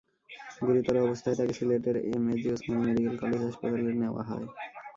গুরুতর অবস্থায় তাঁকে সিলেটের এমএজি ওসমানী মেডিকেল কলেজ হাসপাতালে নেওয়া হয়।